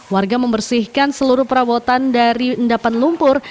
warga membersihkan seluruh perawatan dari endapan lumpur